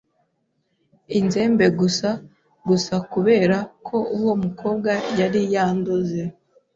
inzembe gusa gusa kubera ko uwo mukobwa yari yandoze